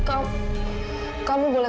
aku tunggu kamu